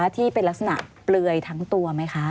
ที่เป็นลักษณะเปลือยทั้งตัวไหมคะ